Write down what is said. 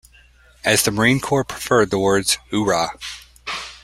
As the Marine Corps preferred the word Oohrah!